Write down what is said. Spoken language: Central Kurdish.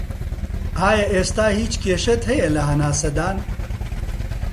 ئایا ئێستا هیچ کێشەت هەیە لە هەناسەدان